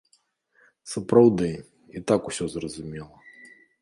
Сапраўды, і так усё зразумела.